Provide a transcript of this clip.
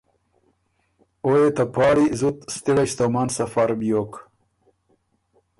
او يې ته پاړی زُت ستِړئ ستومن سفر بیوک۔